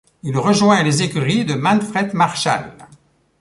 Il rejoint les écuries de Manfred Marschall.